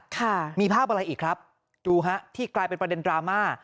ค่ะมีภาพอะไรอีกครับดูฮะที่กลายเป็นประเด็นดราม่า